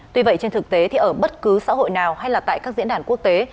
tuy vậy trên thực tế thì ở bất cứ xã hội nào hay là tại các diễn đàn quốc tế